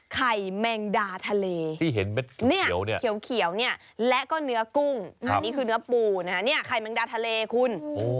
ไข่แมงดาทะเลที่เห็นเนี่ยเขียวเนี่ยและก็เนื้อกุ้งอันนี้คือเนื้อปูนะฮะเนี่ยไข่แมงดาทะเลคุณ